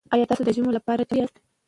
ایا تاسو د ژمنو لپاره چمتو یاست؟